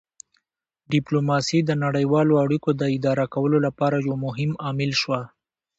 ډیپلوماسي د نړیوالو اړیکو د اداره کولو لپاره یو مهم عامل شوه